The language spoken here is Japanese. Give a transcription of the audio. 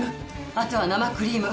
あとは生クリーム。